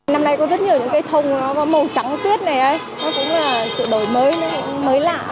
năm nay có rất nhiều cây thông màu trắng tuyết này nó cũng là sự đổi mới mới lạ